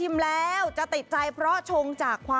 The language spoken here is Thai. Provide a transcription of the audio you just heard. ไม่ได้บ้าง